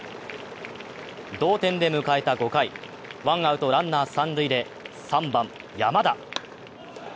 同点で迎えた５回、ワンアウト・ランナー三塁で３番・山田。